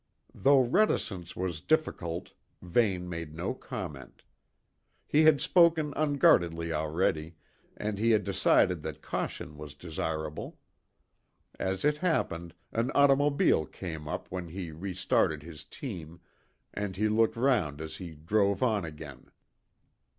Though reticence was difficult, Vane made no comment. He had spoken unguardedly already, and he had decided that caution was desirable. As it happened, an automobile came up when he restarted his team, and he looked round as he drove on again.